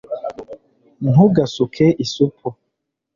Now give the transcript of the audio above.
ntugasuke isupu